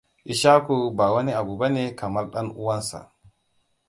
Ishaku ba wani abu bane kamar ɗan uwansa.